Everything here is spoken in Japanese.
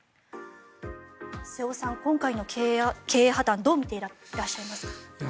瀬尾さん、今回の経営破たんどう見ていらっしゃいますか。